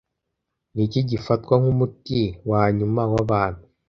Niki gifatwa nkumuti wanyuma wabantu